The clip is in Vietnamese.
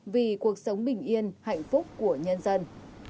vì cuộc sống bình yên hạnh phúc của nhân dân